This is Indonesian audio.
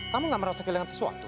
kamu gak merasa kehilangan sesuatu